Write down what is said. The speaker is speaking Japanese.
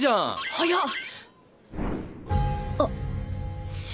早っ！